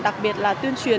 đặc biệt là tuyên truyền